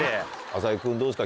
麻木君どうですか？